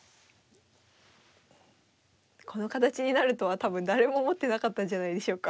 この形になるとは多分誰も思ってなかったんじゃないでしょうか。